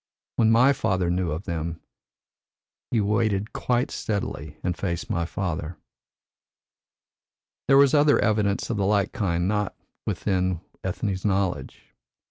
When my father knew of them, he waited quite steadily and faced my father." There was other evidence of the like kind not within Ethne's knowledge.